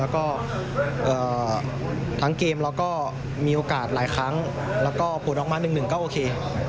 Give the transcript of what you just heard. แล้วก็ทั้งเกมแล้วก็มีโอกาสหลายครั้งแล้วก็ผลออกมา๑๑ก็โอเค